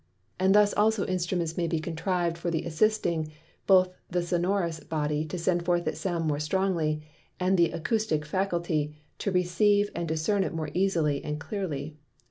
And thus also Instruments may be contriv'd for the assisting both the Sonorous Body, to send forth its Sound more strongly, and the Acoustick Faculty, to receive and discern it more easily and clearly.